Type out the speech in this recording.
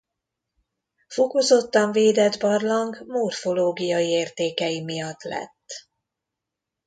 Fokozottan védett barlang morfológiai értékei miatt lett.